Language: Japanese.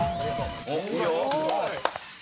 すごい。